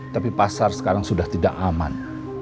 tapi pasar sekarang sudah tidak aman